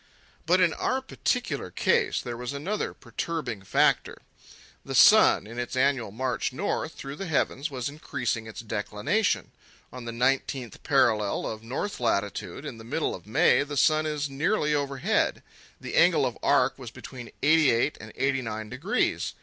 But in our particular case there was another perturbing factor. The sun, in its annual march north through the heavens, was increasing its declination. On the 19th parallel of north latitude in the middle of May the sun is nearly overhead. The angle of arc was between eighty eight and eighty nine degrees.